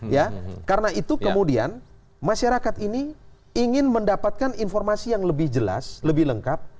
ya karena itu kemudian masyarakat ini ingin mendapatkan informasi yang lebih jelas lebih lengkap